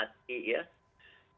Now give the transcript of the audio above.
ya itu pasti bisa dimatikan ya